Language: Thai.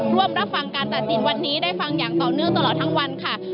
ร่วมรับฟังการตัดสินวันนี้ได้ฟังอย่างต่อเนื่องตลอดทั้งวันค่ะ